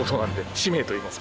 使命といいますかね。